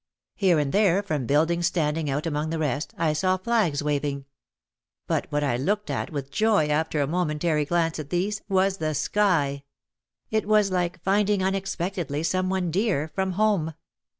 Here and there from buildings standing out among the rest, I saw flags waving. But what I looked at with joy after a momentary glance at these, was the sky! It was like finding unexpectedly some one dear from home.